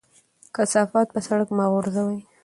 کثافات په سړک مه غورځوئ.